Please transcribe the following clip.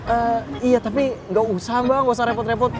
eh iya tapi nggak usah bang gak usah repot repot